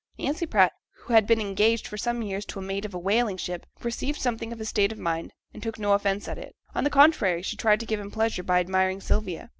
Nancy Pratt, who had been engaged for some years to a mate of a whaling ship, perceived something of his state of mind, and took no offence at it; on the contrary, she tried to give him pleasure by admiring Sylvia.